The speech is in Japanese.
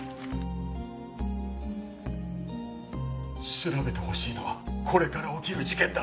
調べてほしいのはこれから起きる事件だ。